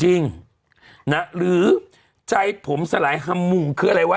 จริงนะหรือใจผมสลายฮัมมูคืออะไรวะ